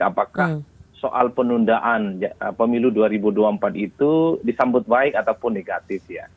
apakah soal penundaan pemilu dua ribu dua puluh empat itu disambut baik ataupun negatif ya